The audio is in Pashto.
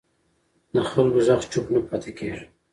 د خلکو غږ چوپ نه پاتې کېږي